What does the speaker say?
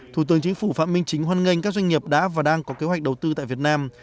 thủ tướng chính phủ phạm minh chính hoan nghênh các doanh nghiệp đã và đang có kế hoạch đầu tư tại việt nam